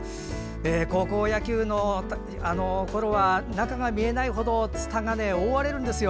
高校野球のころは中が見えない程つたが覆われるんですよ。